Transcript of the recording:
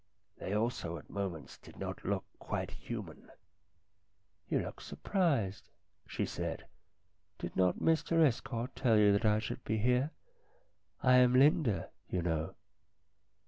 They also at moments did not look quite human. "You look surprised," she said. "Did not Mr Estcourt tell you that I should be here ? I am Linda, you know."